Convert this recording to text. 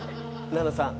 奈々さん。